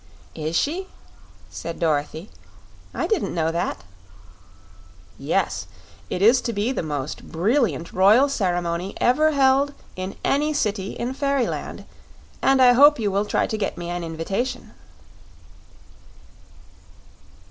"Is she?" said Dorothy. "I didn't know that." "Yes; it is to be the most brilliant royal ceremony ever held in any city in Fairyland, and I hope you will try to get me an invitation."